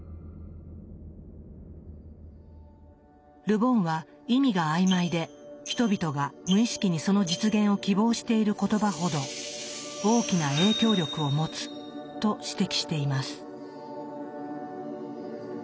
ル・ボンは意味が曖昧で人々が無意識にその実現を希望している言葉ほど大きな影響力を持つと指摘しています。